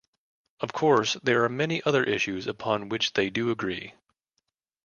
Of course, there are many other issues upon which they do agree.